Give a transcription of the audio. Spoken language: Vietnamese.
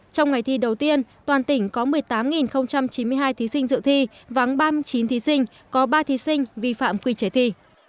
trong ngày thi đầu tiên toàn tỉnh có một mươi tám chín mươi hai thí sinh dự thi vắng ba mươi chín thí sinh có ba thí sinh vi phạm quy chế thi